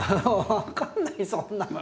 分かんないそんなの。